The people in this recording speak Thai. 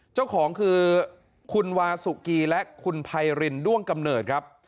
เจ้าของคือคุณวาสุกีและคุณไพรินด้วงกำเนิดครับ